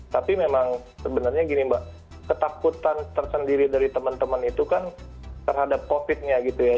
tapi memang sebenarnya gini mbak ketakutan tersendiri dari teman teman itu kan terhadap covid nya gitu ya